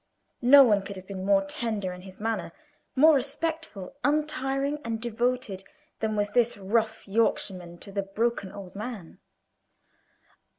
No one could have been more tender in his manner, more respectful, untiring, and devoted, than was this rough Yorkshireman to the broken old man.